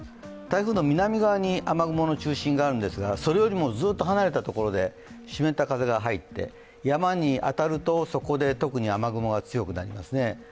台風の南側に雨雲の中心がありますがそれよりもずっと離れたところで湿った風が入って、山に当たると、そこで特に雨雲が強くなりますね。